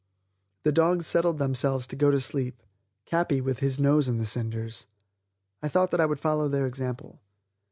The dogs settled themselves to go to sleep, Capi with his nose in the cinders. I thought that I would follow their example.